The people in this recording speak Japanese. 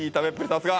さすが。